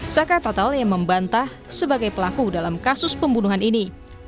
saka fatal yang membantah sebagai pelaku dalam kasus pembunuhan ini